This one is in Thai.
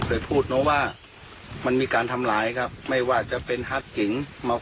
ดูด้วยสืบคนต่อไปนะครับ